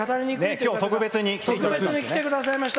今日、特別に来ていただきました。